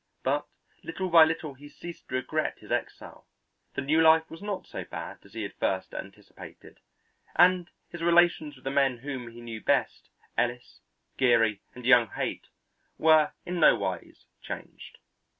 But little by little he ceased to regret his exile; the new life was not so bad as he had at first anticipated, and his relations with the men whom he knew best, Ellis, Geary, and young Haight, were in nowise changed.